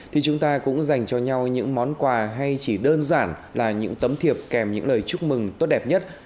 thì chúng ta cũng dành cho nhau những món quà hay chỉ đơn giản là những tấm thiệp kèm những lời chúc mừng tốt đẹp nhất